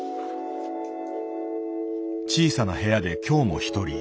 小さな部屋で今日もひとり。